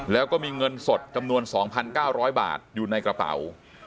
แล้วก็มีเงินสดจำนวน๒๙๐๐บาทอยู่ในกระเป๋า